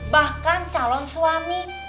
bahkan calon suami